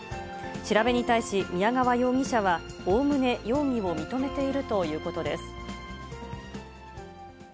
調べに対し、宮川容疑者はおおむね容疑を認めているということです。